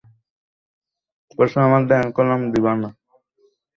অন্যদিকে টানা চারটি ম্যাচ জিতে দাপটের সঙ্গেই শেষ আটের টিকিট কেটেছিল কলম্বিয়া।